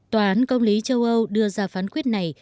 tòa án công lý châu âu đưa ra phán quyết này